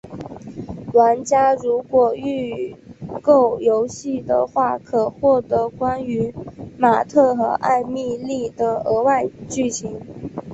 玩家如果预购游戏的话可获得关于马特和艾蜜莉的额外剧情。